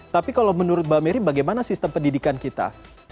tapi kalau menurut mbak merry bagaimana sistem pendidikan kita